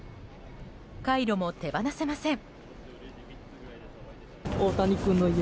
カイロも手放せません。